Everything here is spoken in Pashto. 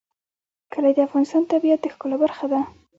کلي د افغانستان د طبیعت د ښکلا برخه ده.